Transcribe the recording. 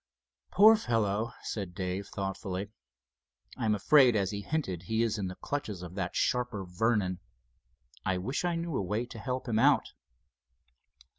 "Poor fellow!" said Dave, thoughtfully. "I'm afraid, as he hinted, he is in the clutches of that sharper, Vernon. I wish I knew a way to help him out."